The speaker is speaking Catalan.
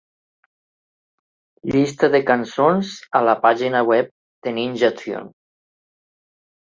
Llista de cançons a la pàgina web de Ninja Tune.